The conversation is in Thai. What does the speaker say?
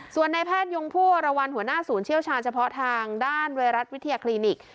ส่วนในแพทยงผู้วรวรรณหัวหน้าศูนย์เชี่ยวชาญเฉพาะทางด้านไวรัสวิทยาคลินิก